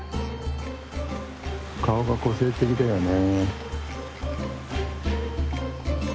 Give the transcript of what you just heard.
顔が個性的だよね。